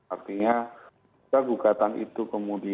artinya jika gugatan itu kemudian